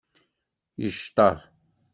Yecṭeṛ.